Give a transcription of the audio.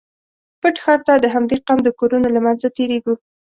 پټ ښار ته د همدې قوم د کورونو له منځه تېرېږو.